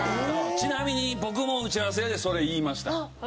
ちなみに僕も打ち合わせでそれ言いました。